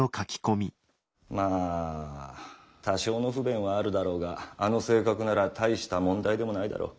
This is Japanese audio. まあ多少の不便はあるだろうがあの性格なら大した問題でもないだろう。